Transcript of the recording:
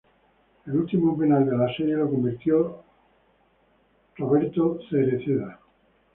El último penal de la serie lo convirtió Roberto Cereceda.